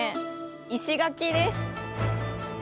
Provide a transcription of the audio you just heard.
石垣です。